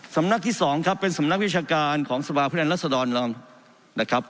สำนักที่สองครับเป็นสำนักวิชาการของสบายพฤษฐานรัศดรนะครับ